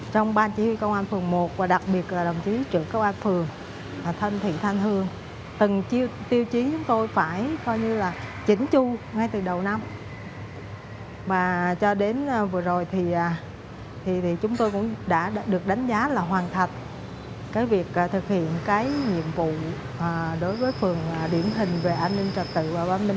trung tá hương đã tham mưu cho đảng ủy ủy ban nhân dân phường xây dựng kiện toàn